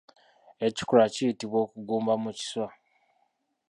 Ekikolwa kiyitibwa okugumba mu kiswa.